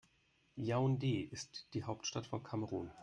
Yaoundé ist die Hauptstadt von Kamerun.